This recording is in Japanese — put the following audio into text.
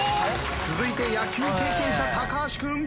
続いて野球経験者橋君。